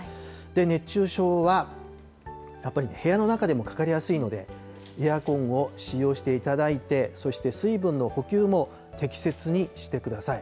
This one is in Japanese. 熱中症は、やっぱり部屋の中でもかかりやすいので、エアコンを使用していただいて、そして水分の補給も、適切にしてください。